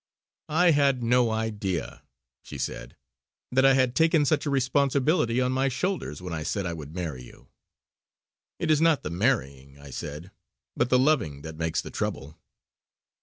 "I had no idea," she said "that I had taken such a responsibility on my shoulders when I said I would marry you." "It is not the marrying" I said "but the loving that makes the trouble!"